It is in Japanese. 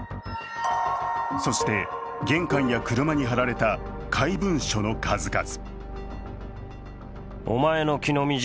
そして、玄関や車に貼られた怪文書の数々。